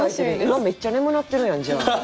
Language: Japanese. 今めっちゃ眠なってるやんじゃあ。